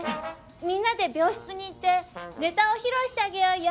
みんなで病室に行ってネタを披露してあげようよ。